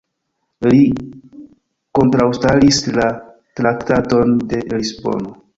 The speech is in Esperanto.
Li kontraŭstaris la Traktaton de Lisbono.